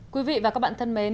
quý vị và các bạn thân mến